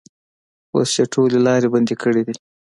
اوس یې ټولې لارې بندې کړې دي.